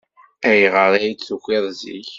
Ayɣer ay d-tukiḍ zik?